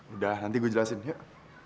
udah nanti gue jelasin yuk